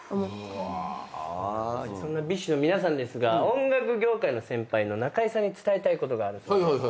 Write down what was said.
そんなＢｉＳＨの皆さんですが音楽業界の先輩の中居さんに伝えたいことがあるそうで。